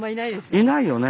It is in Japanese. いないよね。